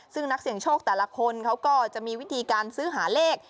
ซึ่งนักเสี่ยงโชคแต่ละคนเขาก็จะมีวิธีการซื้อหาเลข